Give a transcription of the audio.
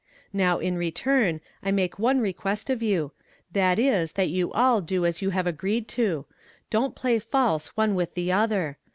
Now, in return, I make one request of you, that is that you all do as you have agreed to; don't play false one with the other.